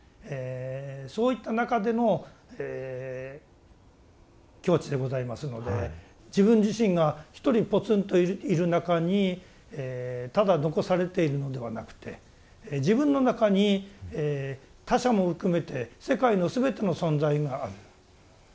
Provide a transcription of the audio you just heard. そういった中でのえ境地でございますので自分自身が一人ぽつんといる中にただ残されているのではなくて自分の中に他者も含めて世界の全ての存在がある。